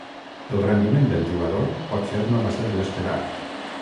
El rendiment del jugador potser no va ser l'esperat.